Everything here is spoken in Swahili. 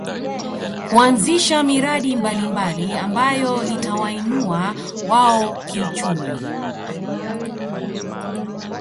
Kuanzisha miradi mbalimbali ambayo itawainua wao kiuchumi